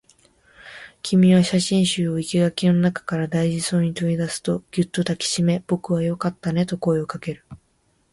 君は写真集を生垣の中から大事そうに取り出すと、ぎゅっと抱きしめ、僕はよかったねと声をかける